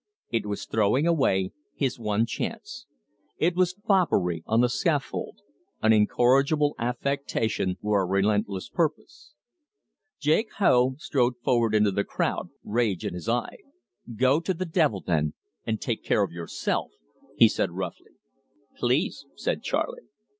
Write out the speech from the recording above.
It was throwing away his one chance; it was foppery on the scaffold an incorrigible affectation or a relentless purpose. Jake Hough strode forward into the crowd, rage in his eye. "Go to the devil, then, and take care of yourself!" he said roughly. "Please," said Charley.